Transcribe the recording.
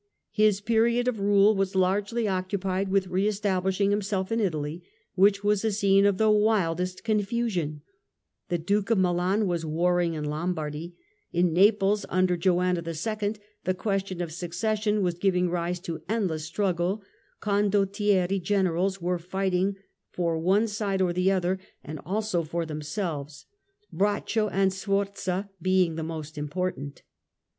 His period of rule was largely occupied with re establishing himself in Italy which was a scene of the wildest confusion. The Duke Disorder in of Milan was warring in Lombardy : in Naples under Joanna II. the question of succession was giving rise to endless struggle, condottieri generals were fighting for one side or the other and also for themselves — Braccio and Sforza being the most important.